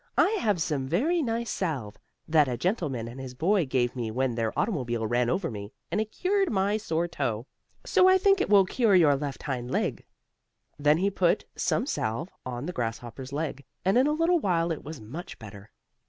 "I have some very nice salve, that a gentleman and his boy gave me when their automobile ran over me, and it cured my sore toe, so I think it will cure your left hind leg." Then he put some salve on the grasshopper's leg, and in a little while it was much better.